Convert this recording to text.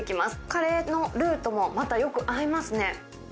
カレーのルーとも、またよく合いますね。